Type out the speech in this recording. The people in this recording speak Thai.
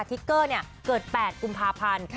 ทิกเกอร์เกิด๘กุมภาพันธ์